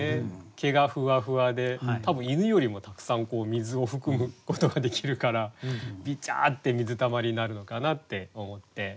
毛がふわふわで多分犬よりもたくさん水を含むことができるからびちゃって水溜りになるのかなって思って。